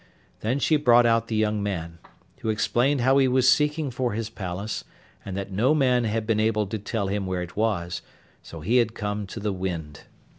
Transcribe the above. Then she brought out the young man, who explained how he was seeking for his palace, and that no man had been able to tell him where it was, so he had come to the wind.